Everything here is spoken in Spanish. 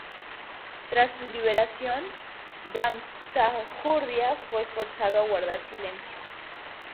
Tras su liberación, Gamsajurdia fue forzado a guardar silencio.